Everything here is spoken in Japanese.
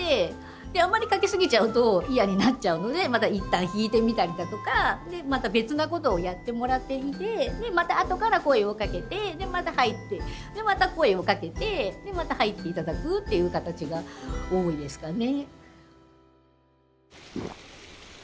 であんまりかけ過ぎちゃうと嫌になっちゃうのでまたいったん引いてみたりだとかでまた別なことをやってもらっていてでまたあとから声をかけてでまた入ってでまた声をかけてまた入って頂くっていう形が多いですかね。